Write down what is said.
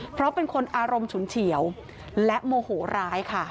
เพราะเป็นคนอารมณ์ฉุนเฉียวและโมโหร้ายค่ะ